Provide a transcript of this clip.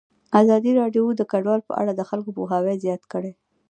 ازادي راډیو د کډوال په اړه د خلکو پوهاوی زیات کړی.